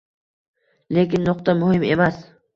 Lekin nuqta muhim emas